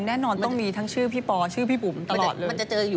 แน่นอนต้องมีทั้งชื่อพี่ปอชื่อพี่ปุ๋มตลอดเลย